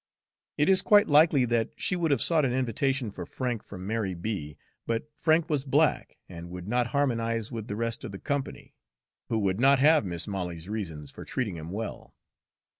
It is quite likely that she would have sought an invitation for Frank from Mary B.; but Frank was black, and would not harmonize with the rest of the company, who would not have Mis' Molly's reasons for treating him well.